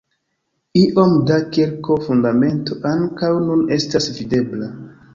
Iom da kirko-fundamento ankaŭ nun estas videbla.